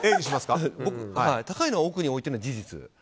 高いものを奥に置いているのは事実。